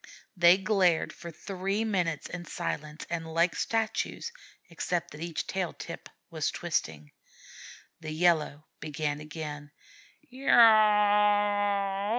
They glared for three minutes in silence and like statues, except that each tail tip was twisting. The Yellow began again. "Yow ow ow!"